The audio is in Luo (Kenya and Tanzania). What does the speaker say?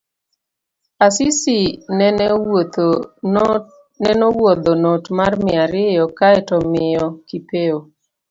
Asisi nene owuodho not mar mia ariyo kae tomiyo Kipokeo